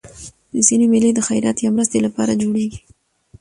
ځيني مېلې د خیرات یا مرستي له پاره جوړېږي.